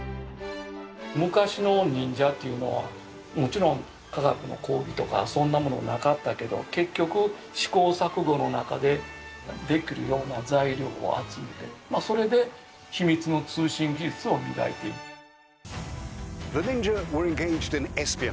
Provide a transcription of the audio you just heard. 昔の忍者っていうのはもちろん科学の講義とかそんなものなかったけど結局試行錯誤の中でできるような材料を集めてまあそれで秘密の通信技術を磨いていた。